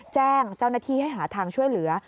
แจ้งเจ้าหน้าที่ให้หาทางช่วยเหลือ